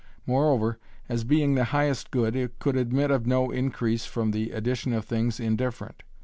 Moreover, as being the highest good, it could admit of no increase from the addition of things indifferent.